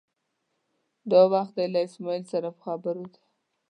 دا وخت دی له اسمعیل سره په خبرو دی.